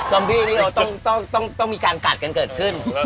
อมบี้นี่เราต้องมีการกัดกันเกิดขึ้น